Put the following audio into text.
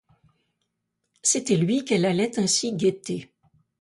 C'était lui qu'elle allait ainsi guetter.